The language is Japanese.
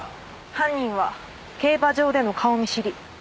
犯人は競馬場での顔見知り。